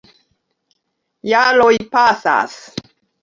Jaroj pasas.